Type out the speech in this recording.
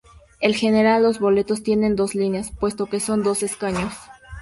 En general los boletos tienen dos líneas, puesto que son dos escaños.